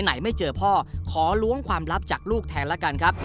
ไม่เจอพ่อขอล้วงความลับจากลูกแทนแล้วกันครับ